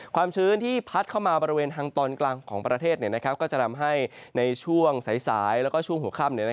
ชื้นที่พัดเข้ามาบริเวณทางตอนกลางของประเทศก็จะทำให้ในช่วงสายแล้วก็ช่วงหัวค่ำ